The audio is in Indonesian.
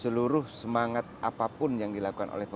seluruh semangat apapun yang dilakukan oleh pemerintah